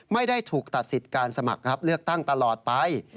ไม่ได้ถูกตัดสิทธิ์การสมัครรับเลือกตั้งตลอดไป